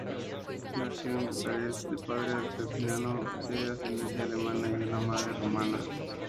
Nació en Bucarest, de padre alsaciano de ascendencia alemana y una madre rumana.